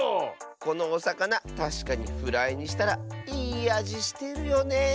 このおさかなたしかにフライにしたらいいあじしてるよねえ。